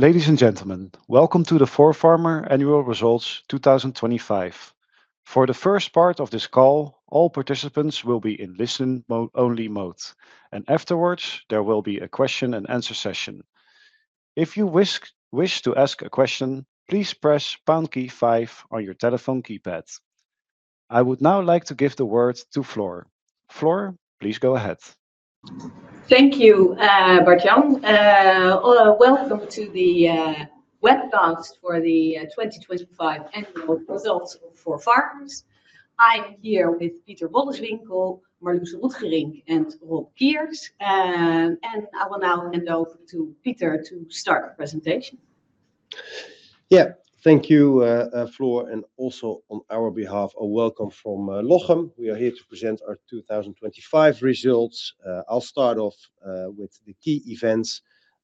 Ladies and gentlemen, welcome to the ForFarmers Annual Results 2025. For the first part of this call, all participants will be in listen-only mode, and afterwards, there will be a question-and-answer session. If you wish to ask a question, please press pound key five on your telephone keypad. I would now like to give the word to Floor. Floor, please go ahead. Thank you, Bart Jan. Welcome to the webcast for the 2025 Annual Results ForFarmers. I am here with Pieter Wolleswinkel, Marloes Roetgerink, and Rob Kiers. I will now hand over to Pieter to start the presentation. Yeah. Thank you, Floor, and also on our behalf, a welcome from Lochem. We are here to present our 2025 Results. I'll start off with the key events.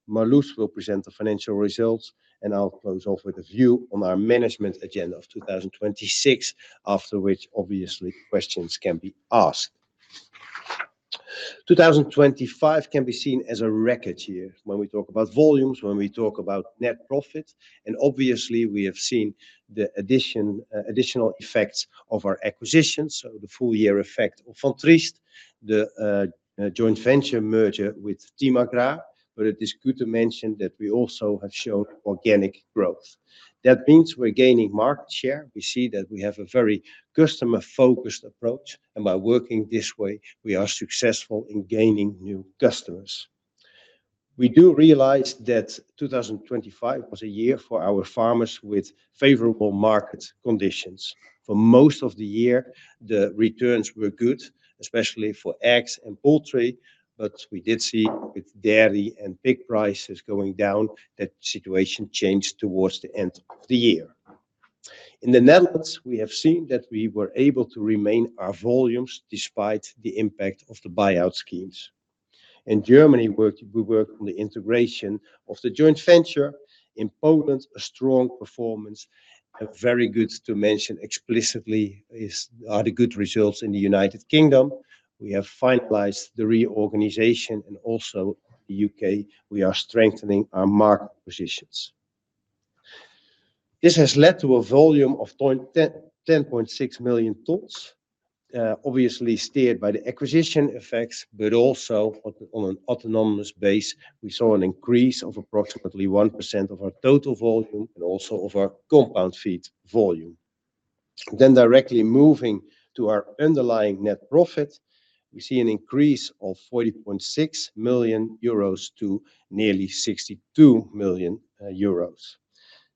Marloes will present the financial results, and I'll close off with a view on our management agenda of 2026, after which, obviously, questions can be asked. 2025 can be seen as a record year when we talk about volumes, when we talk about net profit, and obviously, we have seen the additional effects of our acquisitions, so the full year effect of Van Triest, the joint venture merger with Team Agrar. It is good to mention that we also have shown organic growth. That means we're gaining market share. We see that we have a very customer-focused approach, and by working this way, we are successful in gaining new customers. We do realize that 2025 was a year for our farmers with favorable market conditions. For most of the year, the returns were good, especially for eggs and poultry, but we did see with dairy and pig prices going down, that situation changed towards the end of the year. In the Netherlands, we have seen that we were able to remain our volumes despite the impact of the buyout schemes. In Germany, we worked on the integration of the joint venture. In Poland, a strong performance, and very good to mention explicitly are the good results in the United Kingdom. We have finalized the reorganization, and also in the U.K., we are strengthening our market positions. This has led to a volume of 0.10, 10.6 million tons, obviously steered by the acquisition effects, but also on an autonomous base, we saw an increase of approximately 1% of our total volume and also of our compound feed volume. Directly moving to our underlying net profit, we see an increase of 40.6 million euros to nearly 62 million euros.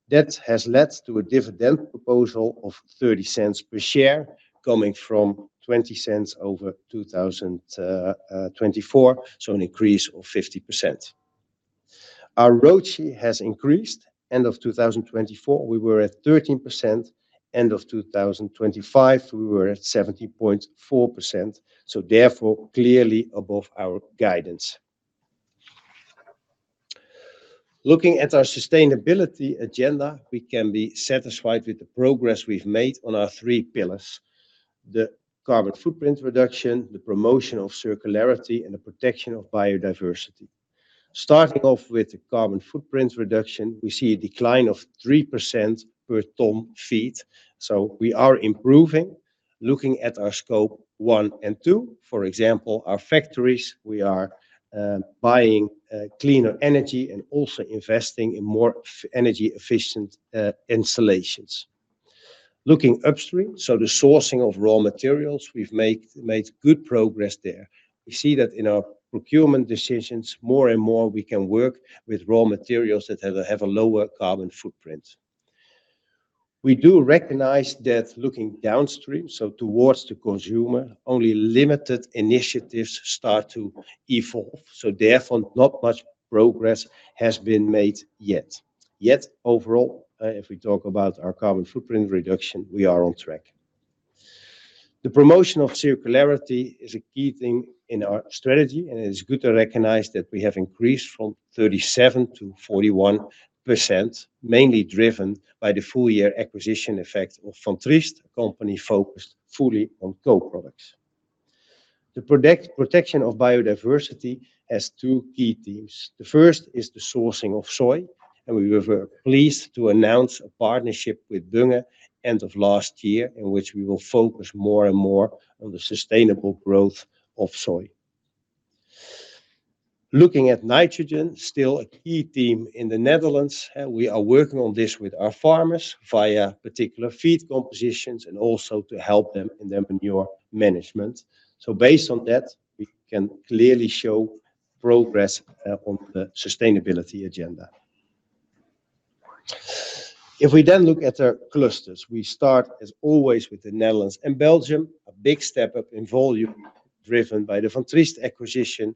That has led to a dividend proposal of 0.30 per share, coming from 0.20 over 2024, so an increase of 50%. Our ROCE has increased. End of 2024, we were at 13%. End of 2025, we were at 17.4%, so therefore, clearly above our guidance. Looking at our sustainability agenda, we can be satisfied with the progress we've made on our three pillars: the carbon footprint reduction, the promotion of circularity, and the protection of biodiversity. Starting off with the carbon footprint reduction, we see a decline of 3% per ton feed, so we are improving. Looking at our Scope one and two, for example, our factories, we are buying cleaner energy and also investing in more energy-efficient installations. Looking upstream, so the sourcing of raw materials, we've made good progress there. We see that in our procurement decisions, more and more, we can work with raw materials that have a lower carbon footprint. We do recognize that looking downstream, so towards the consumer, only limited initiatives start to evolve, so therefore, not much progress has been made yet. Yet, overall, if we talk about our carbon footprint reduction, we are on track. The promotion of circularity is a key thing in our strategy, and it is good to recognize that we have increased from 37%-41%, mainly driven by the full-year acquisition effect of Van Triest, a company focused fully on co-products. The protection of biodiversity has two key themes. The first is the sourcing of soy, and we were very pleased to announce a partnership with Bunge end of last year, in which we will focus more and more on the sustainable growth of soy. Looking at nitrogen, still a key theme in the Netherlands, we are working on this with our farmers via particular feed compositions and also to help them in their manure management. Based on that, we can clearly show progress on the sustainability agenda. If we then look at our clusters, we start, as always, with the Netherlands and Belgium, a big step up in volume, driven by the Van Triest acquisition.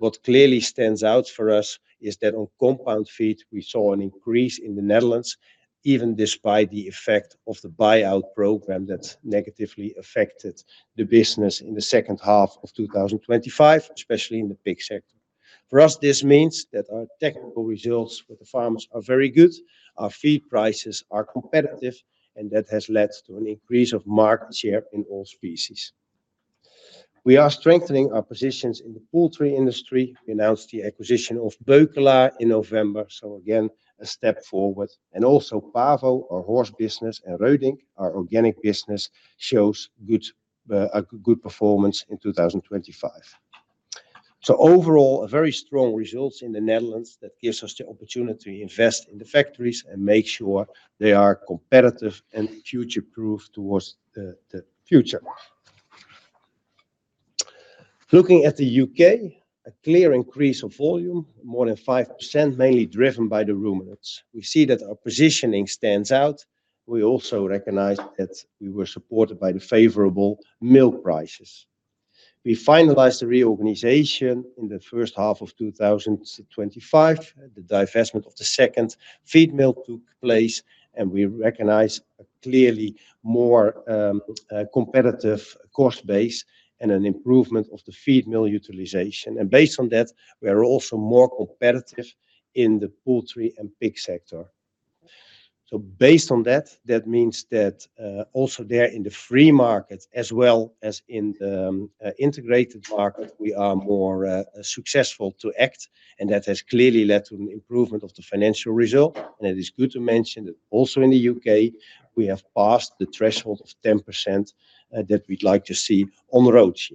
What clearly stands out for us is that on compound feed, we saw an increase in the Netherlands, even despite the effect of the buyout program that negatively affected the business in the second half of 2025, especially in the pig sector. For us, this means that our technical results with the farmers are very good, our feed prices are competitive, and that has led to an increase of market share in all species. We are strengthening our positions in the poultry industry. We announced the acquisition of Beukelaar in November, so again, a step forward, and also Pavo, our horse business, and Reudink, our organic business, shows good, a good performance in 2025. Overall, a very strong results in the Netherlands that gives us the opportunity to invest in the factories and make sure they are competitive and future-proof towards the future. Looking at the U.K., a clear increase of volume, more than 5%, mainly driven by the ruminants. We see that our positioning stands out. We also recognize that we were supported by the favorable milk prices. We finalized the reorganization in the first half of 2025. The divestment of the second feed mill took place, and we recognize a clearly more competitive cost base and an improvement of the feed mill utilization. Based on that, we are also more competitive in the poultry and pig sector. Based on that, that means that also there in the free market, as well as in the integrated market, we are more successful to act, and that has clearly led to an improvement of the financial result. It is good to mention that also in the U.K., we have passed the threshold of 10% that we'd like to see on the ROCE.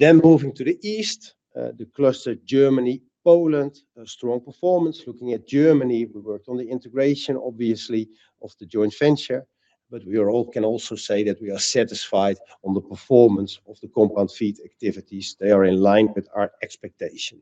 Moving to the east, the cluster Germany, Poland, a strong performance. Looking at Germany, we worked on the integration, obviously, of the joint venture, but we can also say that we are satisfied on the performance of the compound feed activities. They are in line with our expectation.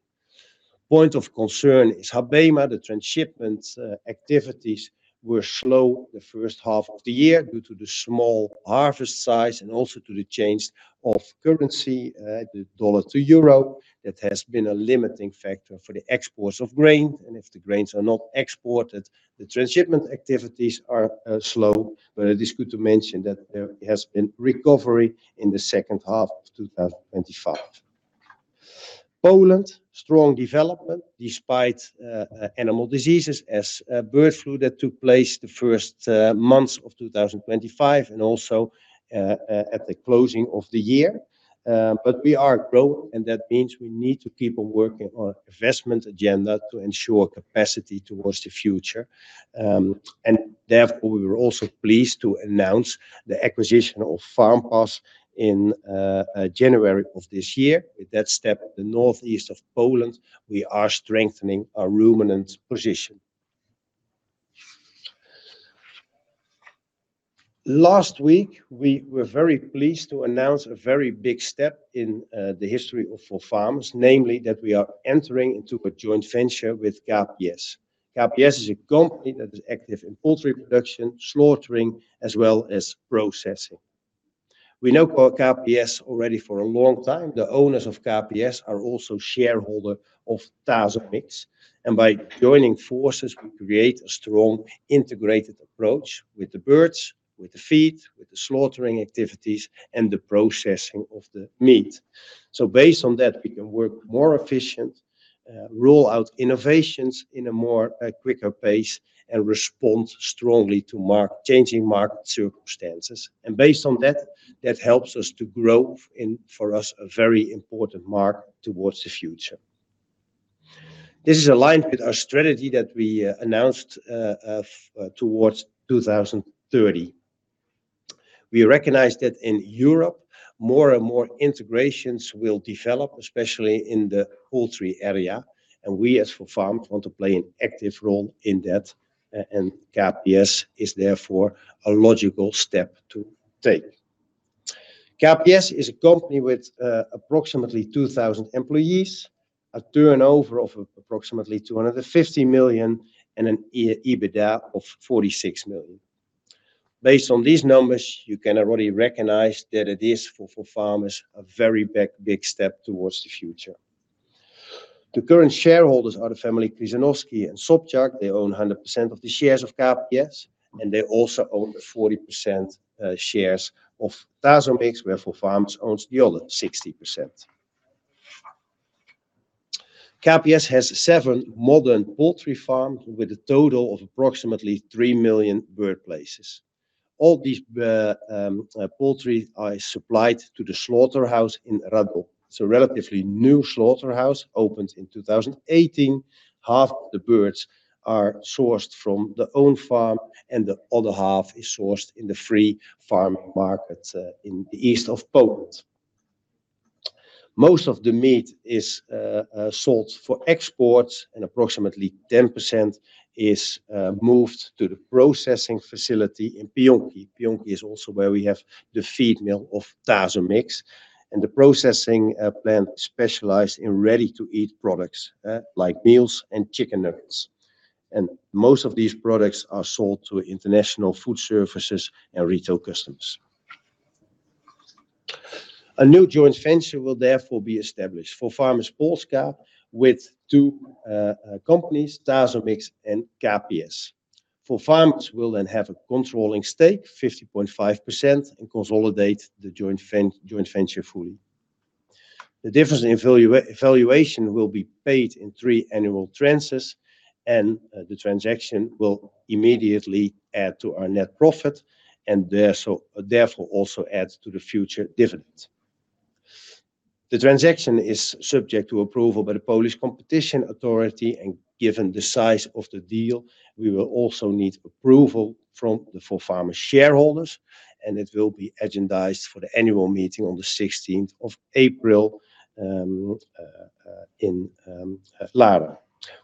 Point of concern is HaBeMa. The transshipment activities were slow the first half of the year due to the small harvest size and also to the change of currency, the dollar to euro. That has been a limiting factor for the exports of grain, and if the grains are not exported, the transshipment activities are slow. It is good to mention that there has been recovery in the second half of 2025. Poland, strong development despite animal diseases as bird flu that took place the first months of 2025 and also at the closing of the year. We are growing, and that means we need to keep on working on investment agenda to ensure capacity towards the future. Therefore, we were also pleased to announce the acquisition of FarmFarms in January of this year. With that step, the northeast of Poland, we are strengthening our ruminant position. Last week, we were very pleased to announce a very big step in the history of ForFarmers, namely, that we are entering into a joint venture with KPS. KPS is a company that is active in poultry production, slaughtering, as well as processing. We know KPS already for a long time. The owners of KPS are also shareholder of Tasomix, and by joining forces, we create a strong, integrated approach with the birds, with the feed, with the slaughtering activities, and the processing of the meat. Based on that, we can work more efficient, roll out innovations in a more quicker pace, and respond strongly to changing market circumstances. Based on that, that helps us to grow in, for us, a very important mark towards the future. This is aligned with our strategy that we announced towards 2030. We recognize that in Europe, more and more integrations will develop, especially in the poultry area, and we, as ForFarmers, want to play an active role in that, and KPS is therefore a logical step to take. KPS is a company with approximately 2,000 employees, a turnover of approximately 250 million, and an EBITDA of 46 million. Based on these numbers, you can already recognize that it is, for ForFarmers, a very big, big step towards the future. The current shareholders are the family Krzyżanowski and Sobczak. They own 100% of the shares of KPS, and they also own the 40% shares of Tasomix, where ForFarmers owns the other 60%. KPS has seven modern poultry farms with a total of approximately 3 million bird places. All these poultry are supplied to the slaughterhouse in Radom. It's a relatively new slaughterhouse, opened in 2018. Half the birds are sourced from their own farm, and the other half is sourced in the free farm market in the east of Poland. Most of the meat is sold for export, and approximately 10% is moved to the processing facility in Pionki. Pionki is also where we have the feed mill of Tasomix, and the processing plant specialize in ready-to-eat products like meals and chicken nuggets. Most of these products are sold to international food services and retail customers. A new joint venture will therefore be established, ForFarmers Polska, with two companies, Tasomix and KPS. ForFarmers will then have a controlling stake, 50.5%, and consolidate the joint venture fully. The difference in valuation will be paid in three annual tranches, and the transaction will immediately add to our net profit, and therefore also adds to the future dividends. The transaction is subject to approval by the Polish Competition Authority, and given the size of the deal, we will also need approval from the ForFarmers shareholders, and it will be agendized for the annual meeting on the 16 April in Laren.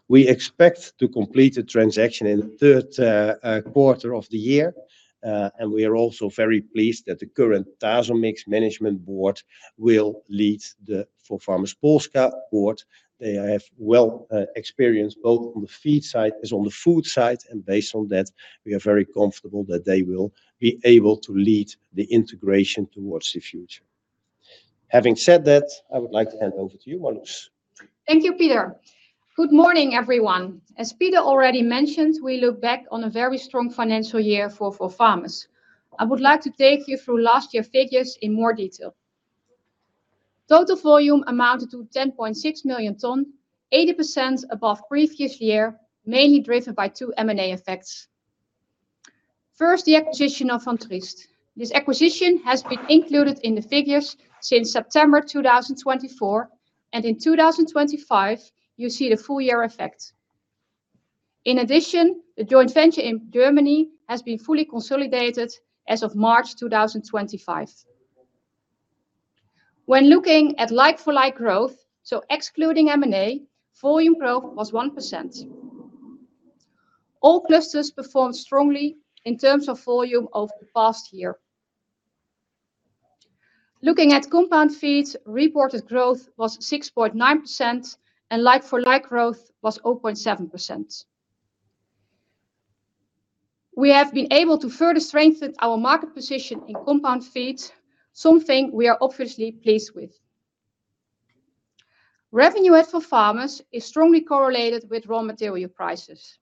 We expect to complete the transaction in the third quarter of the year, and we are also very pleased that the current Tasomix management board will lead the ForFarmers Polska board. They have well experience both on the feed side as on the food side, and based on that, we are very comfortable that they will be able to lead the integration towards the future. Having said that, I would like to hand over to you, Marloes. Thank you, Pieter. Good morning, everyone. As Pieter already mentioned, we look back on a very strong financial year for ForFarmers. I would like to take you through last year's figures in more detail. Total volume amounted to 10.6 million ton, 80% above previous year, mainly driven by two M&A effects. First, the acquisition of Van Triest. This acquisition has been included in the figures since September 2024, and in 2025, you see the full year effect. In addition, the joint venture in Germany has been fully consolidated as of March 2025. When looking at like-for-like growth, so excluding M&A, volume growth was 1%. All clusters performed strongly in terms of volume over the past year. Looking at compound feeds, reported growth was 6.9%, and like-for-like growth was 0.7%. We have been able to further strengthen our market position in compound feeds, something we are obviously pleased with. Revenue at ForFarmers is strongly correlated with raw material prices,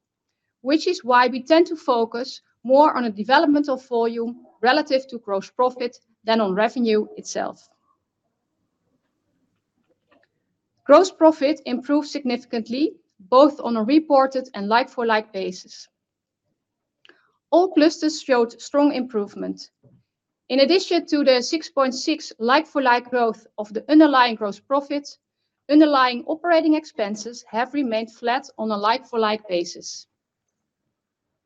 which is why we tend to focus more on the development of volume relative to gross profit than on revenue itself. Gross profit improved significantly, both on a reported and like-for-like basis. All clusters showed strong improvement. In addition to the 6.6 like-for-like growth of the underlying gross profit, underlying operating expenses have remained flat on a like-for-like basis.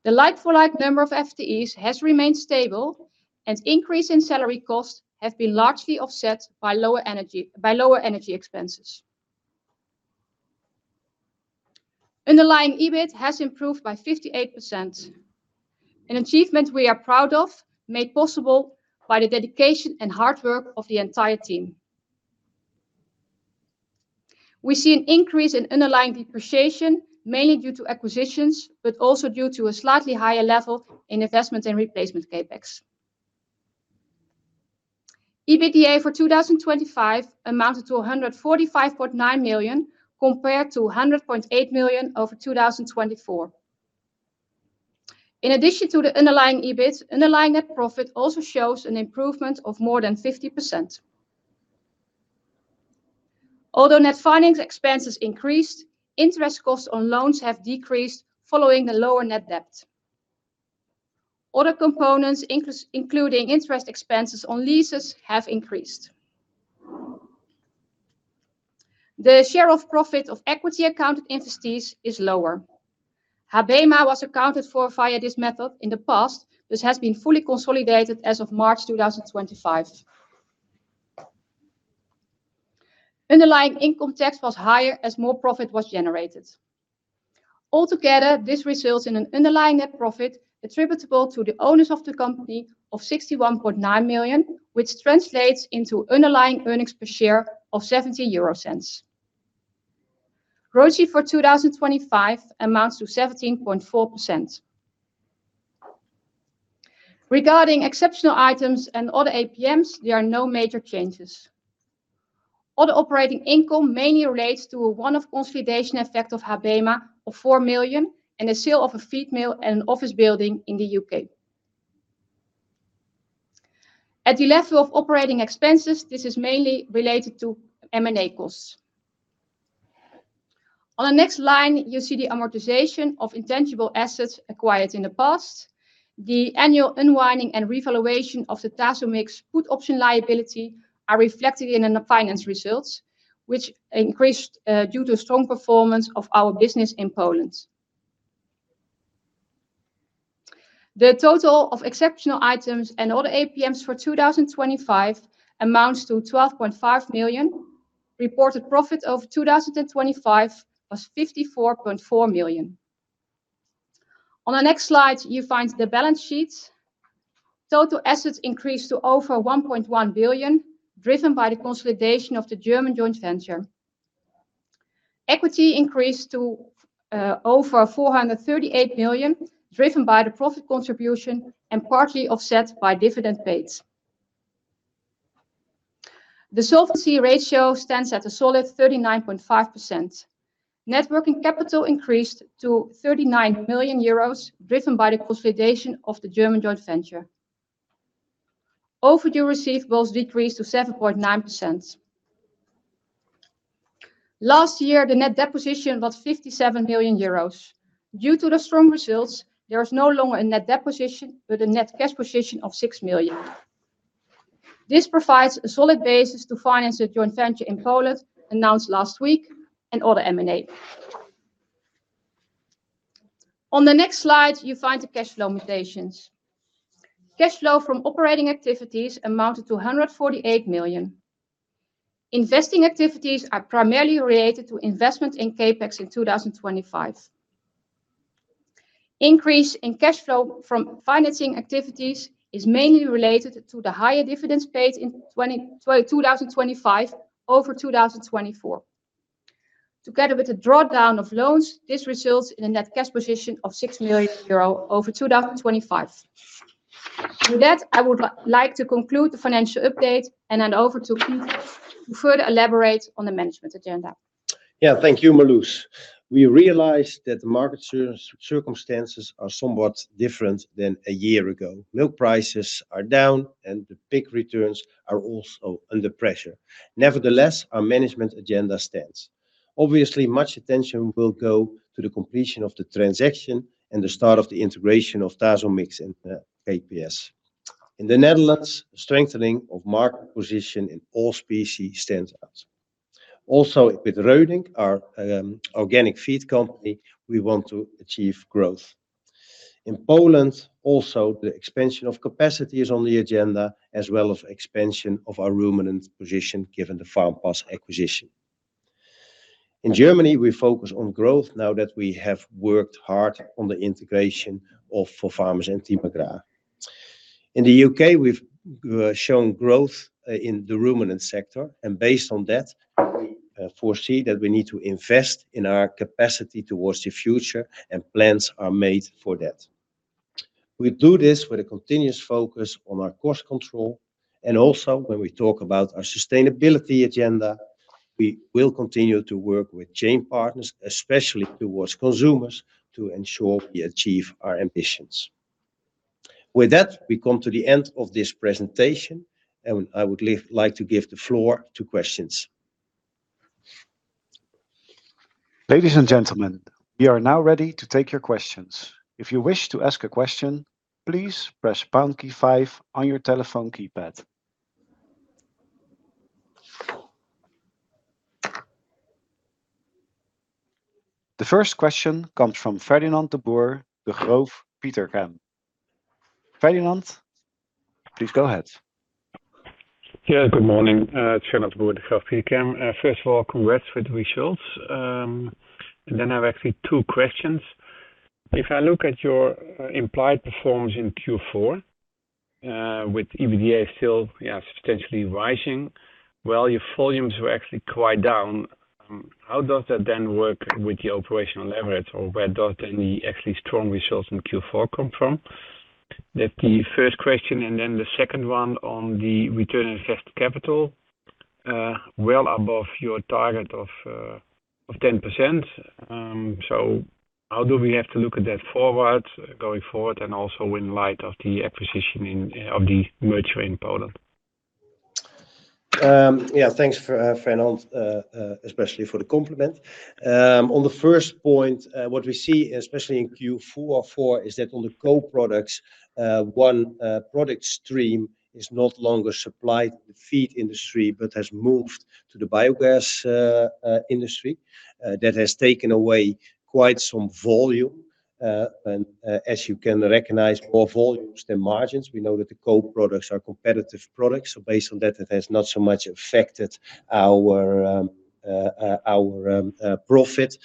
The like-for-like number of FTEs has remained stable, and increase in salary costs have been largely offset by lower energy expenses. Underlying EBIT has improved by 58%, an achievement we are proud of, made possible by the dedication and hard work of the entire team. We see an increase in underlying depreciation, mainly due to acquisitions, but also due to a slightly higher level in investment and replacement CapEx. EBITDA for 2025 amounted to 145.9 million, compared to 100.8 million over 2024. In addition to the underlying EBIT, underlying net profit also shows an improvement of more than 50%. Although net finance expenses increased, interest costs on loans have decreased following the lower net debt. Other components, including interest expenses on leases, have increased. The share of profit of equity accounted entities is lower. HaBeMa was accounted for via this method in the past, but has been fully consolidated as of March 2025. Underlying income tax was higher as more profit was generated. Altogether, this results in an underlying net profit attributable to the owners of the company of 61.9 million, which translates into underlying earnings per share of 0.70. ROCE for 2025 amounts to 17.4%. Regarding exceptional items and other APMs, there are no major changes. Other operating income mainly relates to a one-off consolidation effect of HaBeMa of 4 million and the sale of a feed mill and an office building in the U.K. At the level of operating expenses, this is mainly related to M&A costs. On the next line, you see the amortization of intangible assets acquired in the past. The annual unwinding and revaluation of the Tasomix put option liability are reflected in the finance results, which increased due to strong performance of our business in Poland. The total of exceptional items and other APMs for 2025 amounts to 12.5 million. Reported profit of 2025 was 54.4 million. On the next slide, you find the balance sheets. Total assets increased to over 1.1 billion, driven by the consolidation of the German joint venture. Equity increased to over 438 million, driven by the profit contribution and partly offset by dividend paid. The solvency ratio stands at a solid 39.5%. Net working capital increased to 39 million euros, driven by the consolidation of the German joint venture. Overdue receivables decreased to 7.9%. Last year, the net deposition was 57 million euros. Due to the strong results, there is no longer a net deposition, but a net cash position of 6 million. This provides a solid basis to finance the joint venture in Poland, announced last week, and other M&A. On the next slide, you find the cash flow mutations. Cash flow from operating activities amounted to 148 million. Investing activities are primarily related to investment in CapEx in 2025. Increase in cash flow from financing activities is mainly related to the higher dividends paid in 2025 over 2024. Together with the drawdown of loans, this results in a net cash position of 6 million euro over 2025. With that, I would like to conclude the financial update and hand over to Pieter, to further elaborate on the management agenda. Yeah, thank you, Marloes. We realize that the market circumstances are somewhat different than a year ago. Milk prices are down, and the pig returns are also under pressure. Nevertheless, our management agenda stands. Obviously, much attention will go to the completion of the transaction and the start of the integration of Tasomix and KPS. In the Netherlands, strengthening of market position in all species stands out. Also, with Reudink, our organic feed company, we want to achieve growth. In Poland, also, the expansion of capacity is on the agenda, as well as expansion of our ruminant position, given the FarmFarms acquisition. In Germany, we focus on growth now that we have worked hard on the integration of ForFarmers and Team Agrar. In the U.K., we've shown growth in the ruminant sector, and based on that, we foresee that we need to invest in our capacity towards the future, and plans are made for that. We do this with a continuous focus on our cost control, and also, when we talk about our sustainability agenda, we will continue to work with chain partners, especially towards consumers, to ensure we achieve our ambitions. With that, we come to the end of this presentation, and I would like to give the floor to questions. Ladies and gentlemen, we are now ready to take your questions. If you wish to ask a question, please press pound key five on your telephone keypad. The first question comes from Fernand de Boer, Degroof Petercam. Fernand, please go ahead. Yeah, good morning, Fernand de Boer, Degroof Petercam. First of all, congrats with the results. I have actually two questions. If I look at your implied performance in Q4 with EBITDA still, yeah, substantially rising, well, your volumes were actually quite down. How does that then work with your operational leverage, or where does any actually strong results in Q4 come from? That the first question, and then the second one on the return on invested capital, well above your target of 10%. How do we have to look at that forward, going forward, and also in light of the acquisition in, of the merger in Poland? Yeah, thanks, Fernand, especially for the compliment. On the first point, what we see, especially in Q4 of 2024, is that on the co-products, one product stream is no longer supplied to the feed industry, but has moved to the biogas industry. That has taken away quite some volume, and as you can recognize, more volumes than margins. We know that the co-products are competitive products, so based on that, it has not so much affected our profit.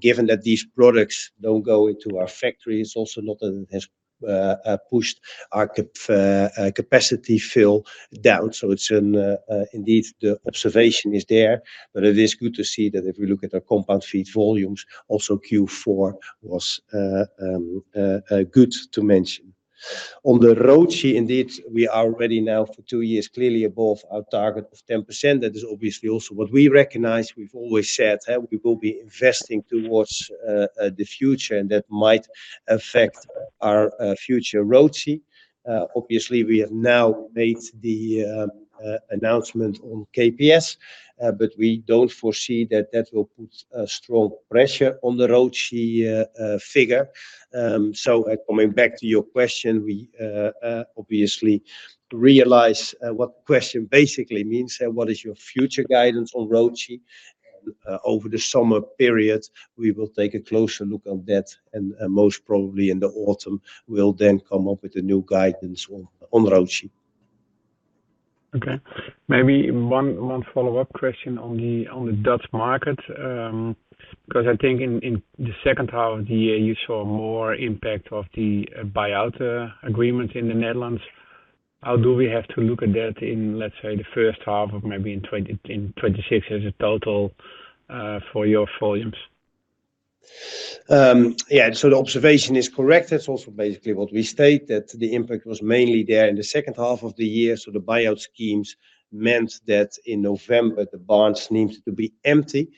Given that these products don't go into our factories, also not has pushed our capacity fill down. It's an Indeed, the observation is there, but it is good to see that if we look at our compound feed volumes, also Q4 was good to mention. On the ROIC, indeed, we are already now for two years, clearly above our target of 10%. That is obviously also what we recognize. We've always said we will be investing towards the future, and that might affect our future ROIC. Obviously, we have now made the announcement on KPS, but we don't foresee that that will put a strong pressure on the ROIC figure. Coming back to your question, we obviously realize what the question basically means, and what is your future guidance on ROIC? Over the summer period, we will take a closer look on that, and most probably in the autumn, we'll then come up with a new guidance on ROIC. Okay. Maybe one follow-up question on the Dutch market because I think in the second half of the year, you saw more impact of the buyout agreement in the Netherlands. How do we have to look at that in, let's say, the first half of maybe in 2026 as a total for your volumes? Yeah, the observation is correct. That's also basically what we state, that the impact was mainly there in the second half of the year. The buyout schemes meant that in November, the barns seemed to be empty.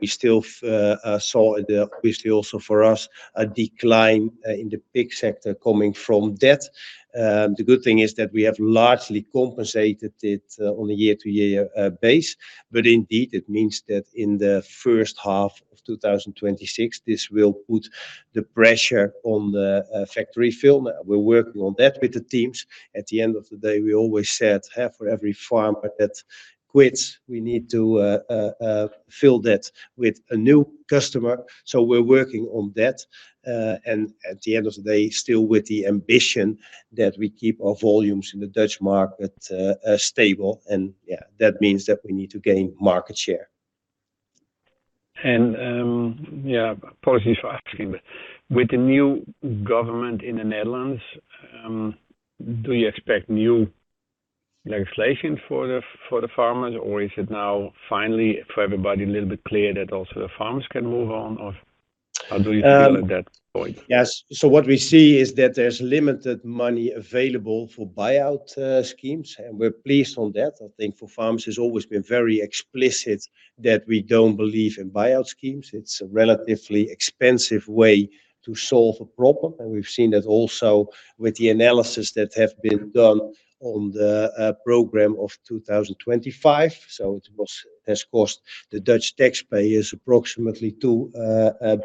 We still saw the, obviously also for us, a decline in the pig sector coming from that. The good thing is that we have largely compensated it on a year-to-year base. But indeed, it means that in the first half of 2026, this will put the pressure on the factory fill. Now, we're working on that with the teams. At the end of the day, we always said, "Hey, for every farmer that quits, we need to fill that with a new customer." We're working on that, and at the end of the day, still with the ambition that we keep our volumes in the Dutch market stable, and, yeah, that means that we need to gain market share. Yeah, apologies for asking, but with the new government in the Netherlands, do you expect new legislation for the farmers, or is it now finally for everybody a little bit clear that also the farmers can move on? How do you feel at that point? Yes. What we see is that there's limited money available for buyout schemes, and we're pleased on that. I think ForFarmers, it's always been very explicit that we don't believe in buyout schemes. It's a relatively expensive way to solve a problem, and we've seen that also with the analysis that have been done on the program of 2025. It has cost the Dutch taxpayers approximately 2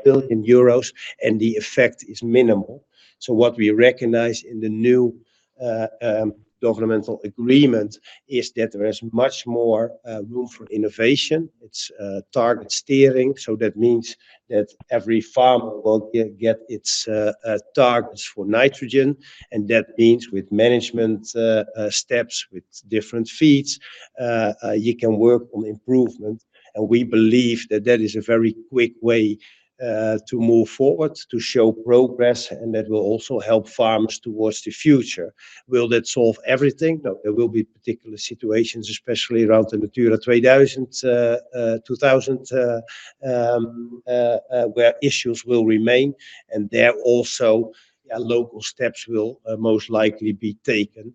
billion euros, and the effect is minimal. What we recognize in the new governmental agreement is that there is much more room for innovation. It's target steering, so that means that every farmer will get its targets for nitrogen, and that means with management steps, with different feeds, you can work on improvement. We believe that that is a very quick way to move forward, to show progress, and that will also help farmers towards the future. Will that solve everything? No. There will be particular situations, especially around the Natura 2000, where issues will remain, and there also local steps will most likely be taken.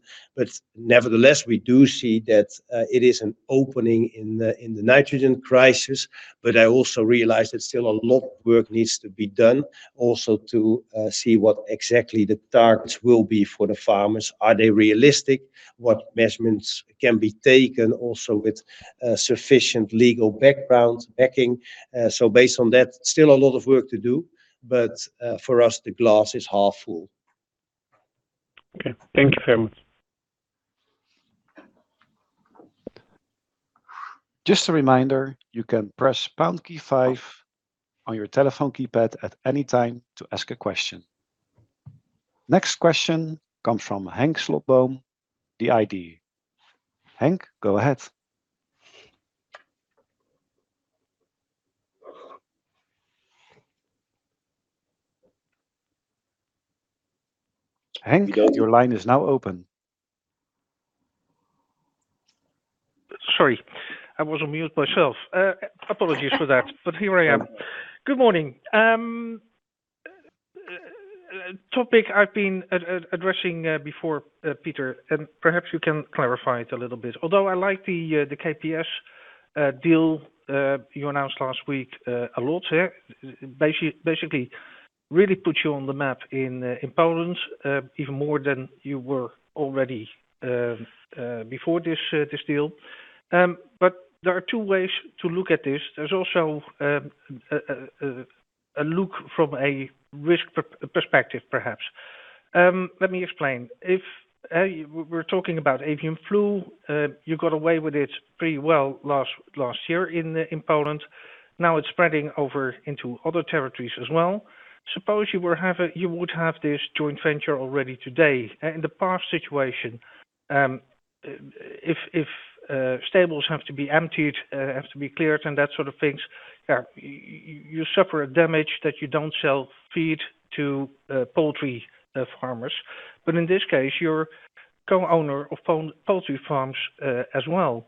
Nevertheless, we do see that it is an opening in the nitrogen crisis, but I also realize that still a lot of work needs to be done also to see what exactly the targets will be for the farmers. Are they realistic? What measurements can be taken also with sufficient legal background backing? Based on that, still a lot of work to do, but for us, the glass is half full. Okay. Thank you very much. Sorry, I was on mute myself. Apologies for that, but here I am. Good morning. Topic I've been addressing before, Pieter, and perhaps you can clarify it a little bit. Although I like the KPS deal you announced last week a lot here, basically really puts you on the map in Poland even more than you were already before this deal. There are two ways to look at this. There's also a look from a risk perspective, perhaps. Let me explain. If we're talking about avian flu, you got away with it pretty well last year in Poland. Now it's spreading over into other territories as well. Suppose you would have this joint venture already today. In the past situation, if stables have to be emptied, have to be cleared, and that sort of things, you suffer a damage that you don't sell feed to poultry farmers. In this case, you're co-owner of poultry farms as well.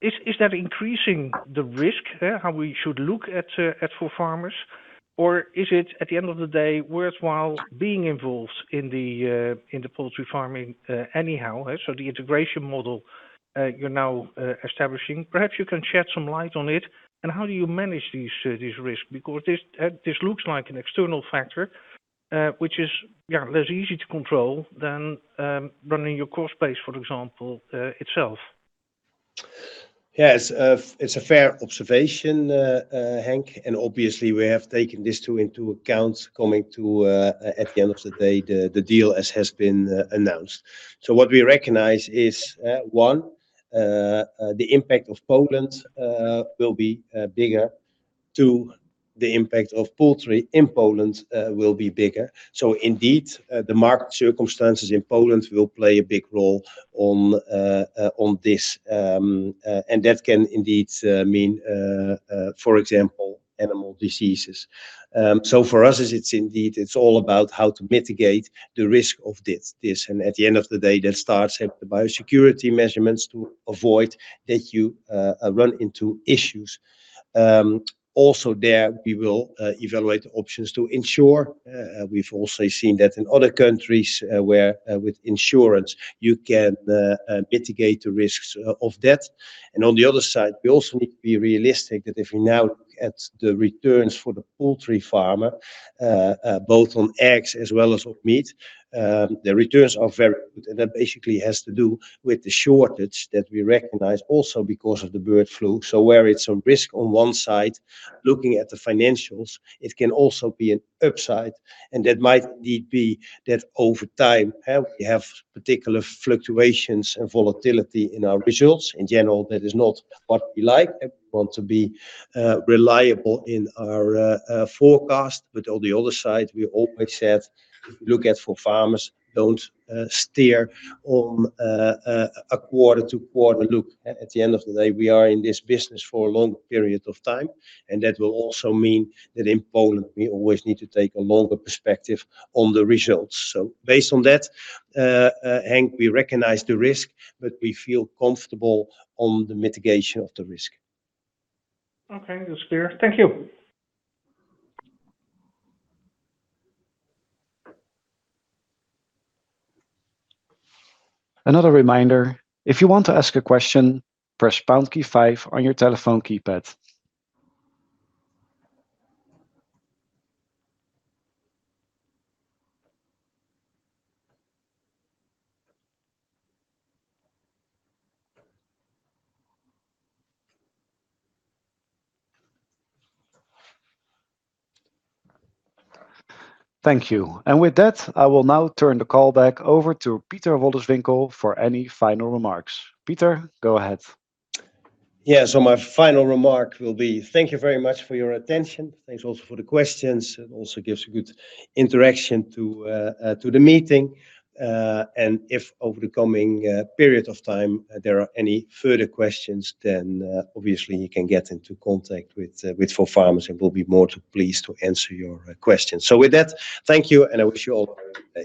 Is that increasing the risk, how we should look at ForFarmers? Is it, at the end of the day, worthwhile being involved in the poultry farming anyhow? The integration model you're now establishing, perhaps you can shed some light on it. How do you manage these risks? Because this looks like an external factor, which is, yeah, less easy to control than running your cost base, for example, itself. Yes. It's a fair observation, Henk, and obviously, we have taken this, too, into account coming to, at the end of the day, the deal as has been announced. What we recognize is one, the impact of Poland will be bigger. Two, the impact of poultry in Poland will be bigger. Indeed, the market circumstances in Poland will play a big role on this. That can indeed mean, for example, animal diseases. For us, it's indeed all about how to mitigate the risk of this. At the end of the day, that starts at the biosecurity measurements to avoid that you run into issues. Also there, we will evaluate the options to ensure, we've also seen that in other countries where with insurance you can mitigate the risks of that. On the other side, we also need to be realistic that if we now look at the returns for the poultry farmer, both on eggs as well as on meat, the returns are very. That basically has to do with the shortage that we recognize also because of the bird flu. Where it's a risk on one side, looking at the financials, it can also be an upside. That might indeed be that over time, we have particular fluctuations and volatility in our results. In general, that is not what we like, and we want to be reliable in our forecast. But on the other side, we always said, look at ForFarmers, don't steer on a quarter-to-quarter look. At the end of the day, we are in this business for a long period of time, and that will also mean that in Poland, we always need to take a longer perspective on the results. So based on that, Henk, we recognize the risk, but we feel comfortable on the mitigation of the risk. Okay, that's clear. Thank you. Another reminder, if you want to ask a question, press star key five on your telephone keypad. Thank you. With that, I will now turn the call back over to Pieter Wolleswinkel for any final remarks. Pieter, go ahead. Yeah. My final remark will be thank you very much for your attention. Thanks also for the questions. It also gives a good interaction to the meeting. If over the coming period of time there are any further questions, then obviously you can get into contact with ForFarmers, and we'll be more than pleased to answer your questions. With that, thank you, and I wish you all a very good day.